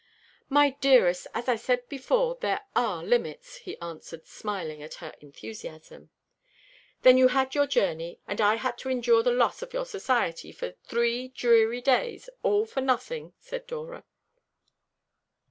"My dearest, as I said before, there are limits," he answered, smiling at her enthusiasm. "Then you had your journey, and I had to endure the loss of your society for three dreary days, all for nothing?" said Dora.